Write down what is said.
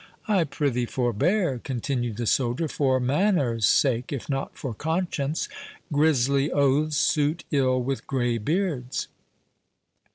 "I prithee forbear," continued the soldier, "for manners' sake, if not for conscience—grisly oaths suit ill with grey beards."